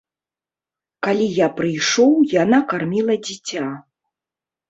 Калі я прыйшоў, яна карміла дзіця.